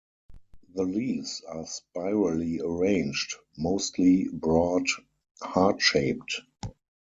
The leaves are spirally arranged, mostly broad heart-shaped.